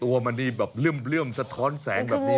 ตัวมันดีแบบเลื่อมสะท้อนแสงแบบนี้